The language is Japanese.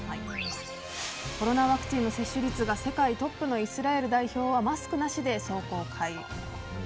コロナワクチンの接種率が世界トップのイスラエル代表はマスクなしで壮行会。